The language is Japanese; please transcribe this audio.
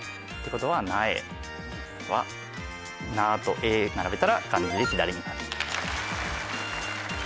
ことは「なえ」は「ナ」と「エ」を並べたら漢字で「左」になる。